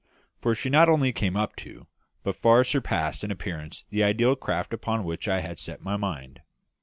For she not only came up to but far surpassed in appearance the ideal craft upon which I had set my mind.